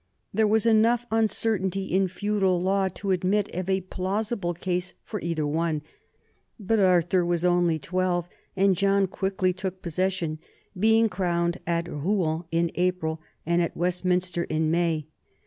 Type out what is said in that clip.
There was enough un certainty in feudal law to admit of a plausible case for either one, but Arthur was only twelve and John quickly took possession, being crowned at Rouen in April and at Westminster in May.